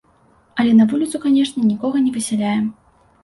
Але на вуліцу, канечне, нікога не высяляем.